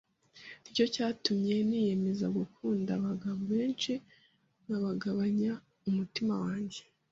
Ni cyo cyatumye niyemeza gukunda abagabo benshi, nkabagabanya umutima wanjye.